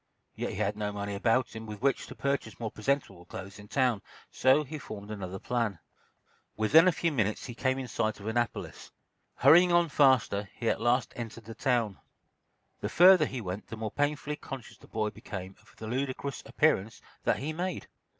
Yet he had no money about him with which to purchase more presentable clothes in town. So he formed another plan. Within a few minutes he came in sight of Annapolis. Hurrying on faster, he at last entered the town. The further he went the more painfully conscious the boy became of the ludicrous appearance that he made.